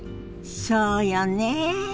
そうよね。